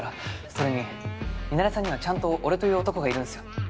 それにミナレさんにはちゃんと俺という男がいるんすよ。